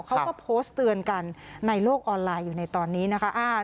เขาก็โพสต์เตือนกันในโลกออนไลน์อยู่ในตอนนี้นะคะ